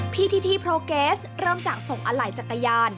พิธีที่โปรเกสเริ่มจากส่งอะไหล่จักรยาน